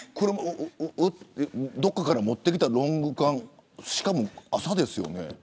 どっかから持ってきたロング缶しかも朝ですよね。